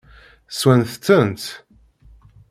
Swant-tent?